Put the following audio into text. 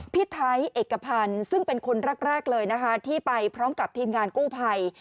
พี่ไทยเอกพันธ์ซึ่งเป็นคนแรกเลยนะคะที่ไปพร้อมกับทีมงานกู้ภัย